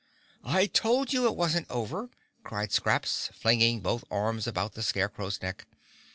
"I told you it wasn't over," cried Scraps, flinging both arms about the Scarecrow's neck.